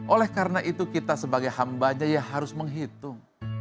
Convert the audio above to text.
oleh karena itu kita sebagai hambanya ya harus menghitung